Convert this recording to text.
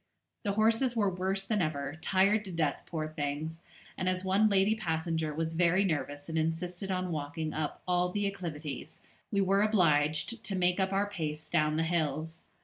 The horses were worse than ever, tired to death, poor things; and as one lady passenger was very nervous and insisted on walking up all the acclivities, we were obliged to make up our pace down the hills.